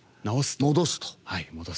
戻すと。